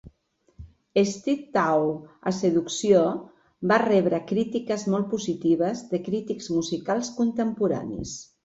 "Streethawk: A Seduction" va rebre crítiques molt positives de crítics musicals contemporanis.